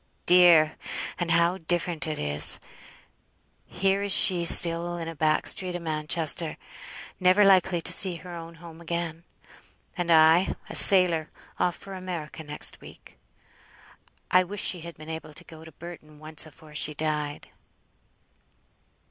Dear! and how different it is! Here is she still in a back street o' Manchester, never likely to see her own home again; and I, a sailor, off for America next week. I wish she had been able to go to Burton once afore she died."